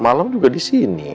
malam juga disini ya